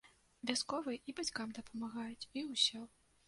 Вясковыя і бацькам дапамагаюць, і ўсё.